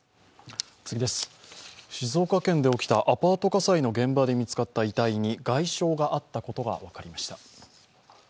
静岡県で起きたアパート火災の現場で見つかった遺体に外傷があったことが分かりました。